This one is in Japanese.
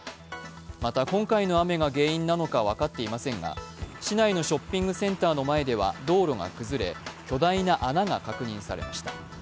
また今回の雨が原因なのか分かっていませんが市内のショッピングセンターの前では道路が崩れ、巨大な穴が確認されました。